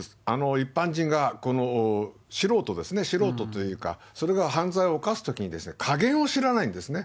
一般人が、素人ですね、素人というか、それが犯罪を犯すときに、加減を知らないんですね。